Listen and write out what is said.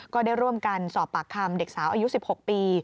ก็ได้ร่วมกันสอบปากคำเด็กสาวอายุ๑๖ปี